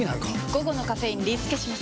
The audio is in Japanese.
午後のカフェインリスケします！